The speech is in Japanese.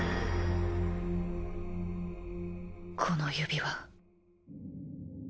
この指輪。